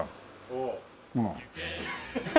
ほら。